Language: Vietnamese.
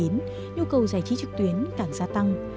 nhu cầu giải trí trực tuyến càng gia tăng